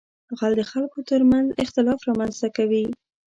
غل د خلکو تر منځ اختلاف رامنځته کوي